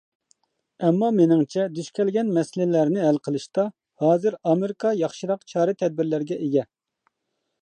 ئەمما مېنىڭچە دۇچ كەلگەن مەسىلىلەرنى ھەل قىلىشتا ھازىر ئامېرىكا ياخشىراق چارە-تەدبىرلەرگە ئىگە.